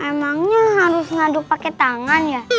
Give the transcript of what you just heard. emangnya harus ngaduk pakai tangan ya